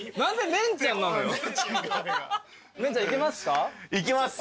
メンちゃんいけますか？